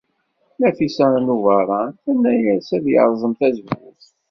Nafisa n Ubeṛṛan tenna-as ad yerẓem tazewwut.